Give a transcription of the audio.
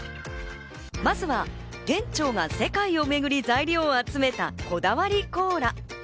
まずは店長が世界をめぐり材料を集めたこだわりコーラ。